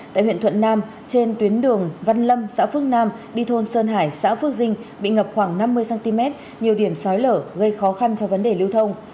tại huyện thuận nam trên tuyến đường văn lâm xã phước nam đi thôn sơn hải xã phước dinh bị ngập khoảng năm mươi cm nhiều điểm sói lở gây khó khăn cho vấn đề lưu thông